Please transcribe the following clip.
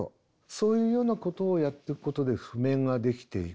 そういうようなことをやっていくことで譜面ができていく。